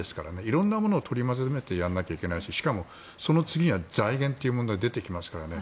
色んなものを取り混ぜてやらないといけないですししかもその次が、財源という問題が出てきますからね。